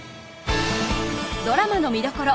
ドラマの見どころ